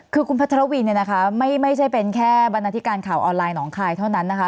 คือคุณพัทรวินเนี่ยนะคะไม่ใช่เป็นแค่บรรณาธิการข่าวออนไลนหนองคายเท่านั้นนะคะ